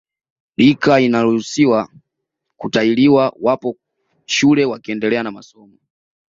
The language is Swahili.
Rika inayoruhusiwa kutahiliwa wapo shule wakiendelea na masomo